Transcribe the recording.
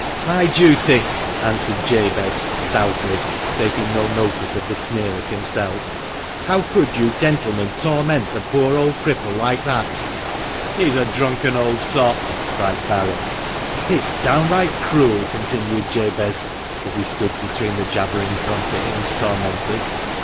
"My duty!" answered Jabez, stoutly, taking no notice of the sneer at himself. " How could you gentlemen torment a poor old cripple like that?" " He's a drunken old sot !" cried Barret. "It's downright cruel!" continued Jabez, as he stood between the jabbering drunkard and his tormentors.